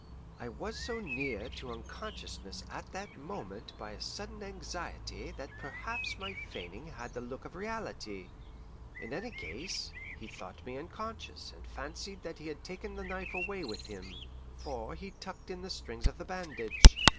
I was so near to unconsciousness at that moment by a sudden anxiety that perhaps my feigning had the look of reality. In any case, he thought me unconscious and fancied that he had taken the knife away with him; for he tucked in the strings of the bandage.